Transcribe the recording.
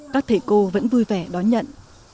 các thầy cô vẫn vui vẻ đón nhận